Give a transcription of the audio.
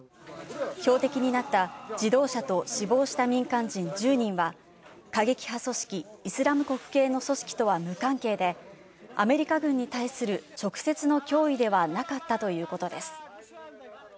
標的になった自動車と死亡した民間人１０人は過激派組織「イスラム国」系の組織とは無関係でアメリカ軍に対する直接の脅威ではなかったということです。